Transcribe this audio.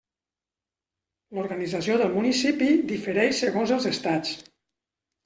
L'organització del municipi difereix segons els estats.